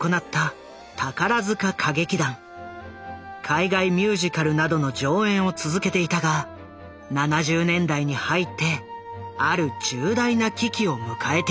海外ミュージカルなどの上演を続けていたが７０年代に入ってある重大な危機を迎えていた。